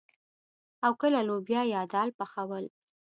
او کله لوبيا يا دال پخول.